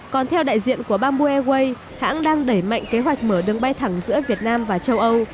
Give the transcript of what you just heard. còn theo đại diện của bamboo airways hãng đang đẩy mạnh kế hoạch mở đường bay thẳng giữa việt nam và châu âu